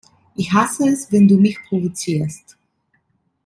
Ich hasse es, wenn du mich provozierst.